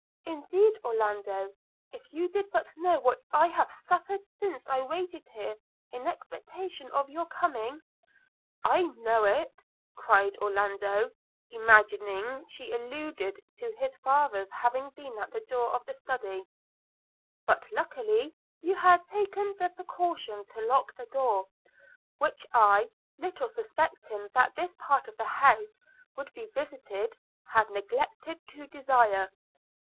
– Indeed, Orlando, if you did but know what I have suffered since I waited here in expectation of your coming!' – 'I know it,' cried Orlando, imagining she alluded to his father's having been at the door of the Study – 'But luckily you had taken the precaution to lock the door; which I, little suspecting that this part of the house would be visited, had neglected to desire.